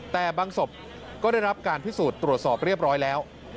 แต่บางศพก็ได้รับการพิสูจน์ตรวจสอบเรียบร้อยแล้ว